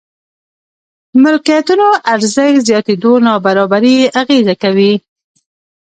ملکيتونو ارزښت زياتېدو نابرابري اغېزه کوي.